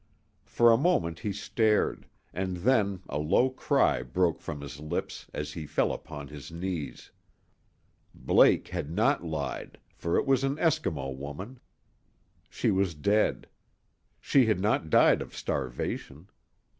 For a moment he stared, and then a low cry broke from his lips as he fell upon his knees. Blake had not lied, for it was an Eskimo woman. She was dead. She had not died of starvation.